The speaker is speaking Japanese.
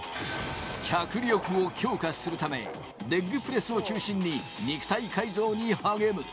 脚力を強化するためレッグプレスを中心に肉体改造に励む。